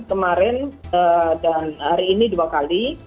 kemarin dan hari ini dua kali